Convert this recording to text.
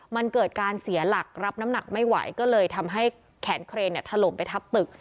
มันเกิดการเสียหลักรับน้ำหนักไม่ไหวก็เลยทำให้แขนเครนถล่มไปทับตึก